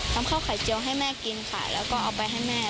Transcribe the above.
ข้าวไข่เจียวให้แม่กินค่ะแล้วก็เอาไปให้แม่